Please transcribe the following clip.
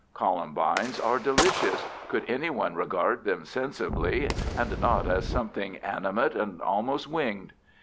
Columbines are delicious—could anyone regard them sensibly, and not as something animate and almost winged.